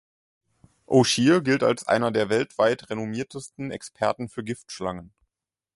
O’Shea gilt als einer der weltweit renommiertesten Experten für Giftschlangen.